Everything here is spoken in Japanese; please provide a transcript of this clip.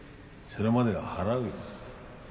それまでは払うよ